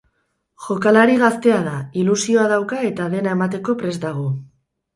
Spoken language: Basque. Jokalari gaztea da, ilusioa dauka eta dena emateko prest dago.